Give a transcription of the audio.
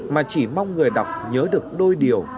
mà chỉ mong người đọc nhớ được đôi điều